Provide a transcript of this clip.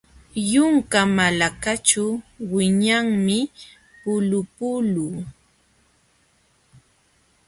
Yunka malakaćhu wiñanmi pulupulu.